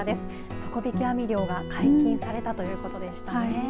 底引き網漁が解禁されたということでしたね。